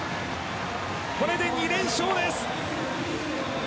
これで２連勝です。